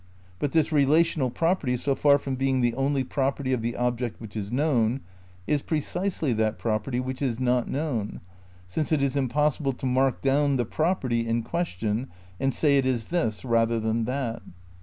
But this relational property, so far from being the only property of the object which is known, is precisely that property which is not known, since it is impossible to mark down the property in question and say it is this rather than that.